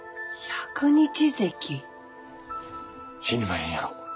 死にまへんやろ？